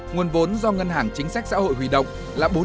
nguồn vốn do ngân hàng chính sách xã hội huy động là bốn một mươi tỷ đồng